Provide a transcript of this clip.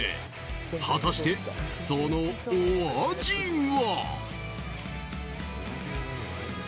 果たして、そのお味は。